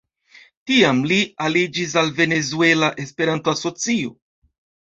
Tiam li aliĝis al Venezuela Esperanto-Asocio.